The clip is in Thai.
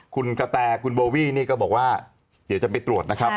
คุณกระแตคุณโบวี่นี่ก็บอกว่าเดี๋ยวจะไปตรวจนะครับ